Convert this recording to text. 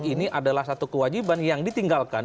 ini adalah satu kewajiban yang ditinggalkan